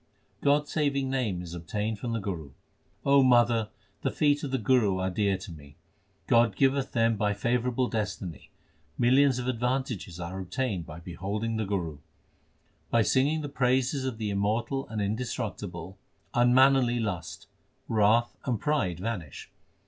HYMNS OF GURU ARJAN 387 God s saving name is obtained from the Guru : mother, the feet of the Guru are dear to me ; God giveth them by favourable destiny : millions of advantages are obtained by beholding the Guru. By singing the praises of the Immortal and Indestructible, unmannerly lust, wrath, and pride vanish.